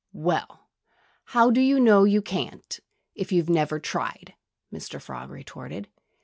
"Well, how do you know that you can't, if you've never tried?" Mr. Frog retorted.